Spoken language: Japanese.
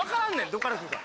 どこから来るか